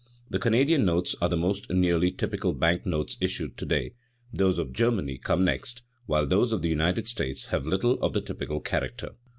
The Canadian notes are the most nearly typical bank notes issued to day; those of Germany come next, while those of the United States have little of the typical character.